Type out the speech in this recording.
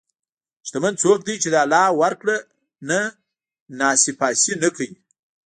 شتمن څوک دی چې د الله ورکړه نه ناسپاسي نه کوي.